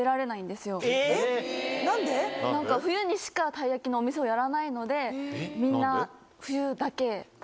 冬にしかたい焼きのお店をやらないのでみんな。